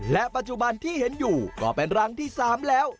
และปัจจุบันที่เห็นอยู่ก็เป็นรังที่๓แล้ว